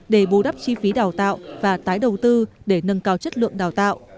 để bù đắp chi phí đào tạo và tái đầu tư để nâng cao chất lượng đào tạo